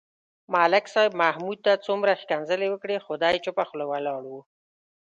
ملک صاحب محمود ته څومره کنځلې وکړې. خو دی چوپه خوله ولاړ و.